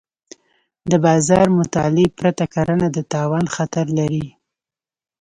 د بازار مطالعې پرته کرنه د تاوان خطر لري.